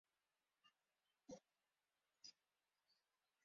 This marked Downing's fifth goal in all competitions and his last goal for Liverpool.